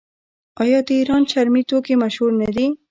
آیا د ایران چرمي توکي مشهور نه دي؟